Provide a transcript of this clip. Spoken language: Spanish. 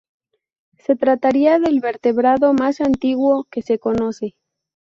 Se trataría del vertebrado más antiguo que se conoce.